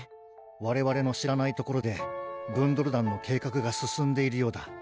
われわれの知らないところでブンドル団の計画が進んでいるようだ